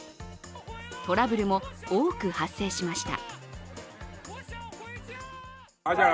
トラブルも多く発生しました。